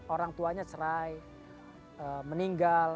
orang tuanya cerai meninggal